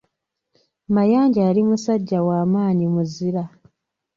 Mayanja yali musajja wa maanyi muzira.